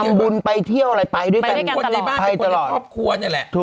ไปทำบุญไปเที่ยวอะไรไปด้วยกันคนในบ้านคนในครอบครัวเนี่ยแหละ